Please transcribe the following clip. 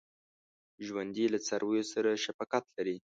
ژوندي له څارویو سره شفقت لري